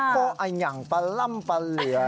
อ๋อก็อย่างปล่ำปล่ำเหลือเนี่ย